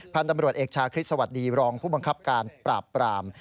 พันธุ์ตำรวจเอกชาคริสสวัสดีรองผู้บังคับการปราบปราม